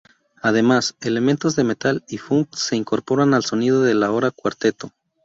Además, elementos de metal y funk se incorporan al sonido del ahora cuarteto.